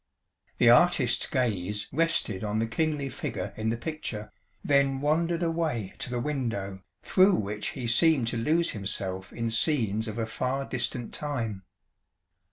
The artist's gaze rested on the kingly figure in the picture, then wandered away to the window through which he seemed to lose himself in scenes of a far distant time.